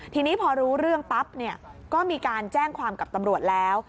ทีนี้พอรู้เรื่องปั๊บเนี่ยก็มีการแจ้งความกับตำรวจแล้ว